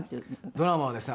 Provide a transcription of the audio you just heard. ドラマはですね